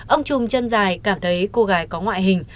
ông trùm chân dài cảm thấy cô gái có ngoại hình